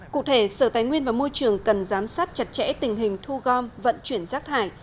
cụ thể sở tài nguyên và môi trường cần giám sát chặt chẽ tình hình thu gom vận chuyển rác thải